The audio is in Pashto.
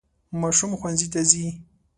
ماشوم ښوونځي ته ځي.